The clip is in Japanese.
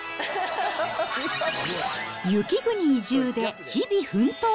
雪国移住で日々奮闘。